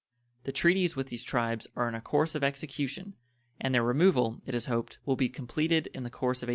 The treaties with these tribes are in a course of execution, and their removal, it is hoped, will be completed in the course of 1832.